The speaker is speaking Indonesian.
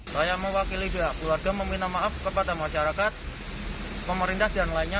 saya mewakili pihak keluarga meminta maaf kepada masyarakat pemerintah dan lainnya